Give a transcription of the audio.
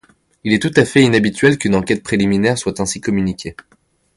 Il est tout à fait inhabituel qu’une enquête préliminaire soit ainsi communiquée.